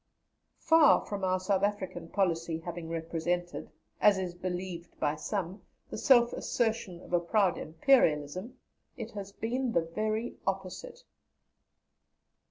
Far from our South African policy having represented, as is believed by some, the self assertion of a proud Imperialism, it has been the very opposite.